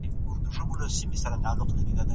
هیڅوک له ټولنې لوړ نه دی.